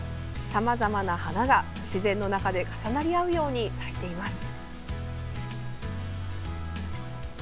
さまざまな花が、自然の中で重なり合うように咲いています。